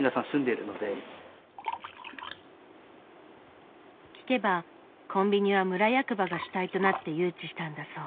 聞けばコンビニは村役場が主体となって誘致したんだそう。